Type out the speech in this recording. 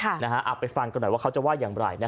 เอาไปฟังกันหน่อยว่าเขาจะว่าอย่างไร